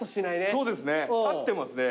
そうですね立ってますね。